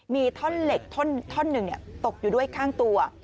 มีท่อนเหล็กท่อนหนึ่งตกอยู่ด้วยข้างตัว